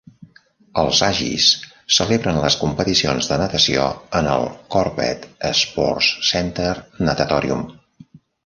Els Aggies celebren les competicions de natació en el Corbett Sports Center Natatorium.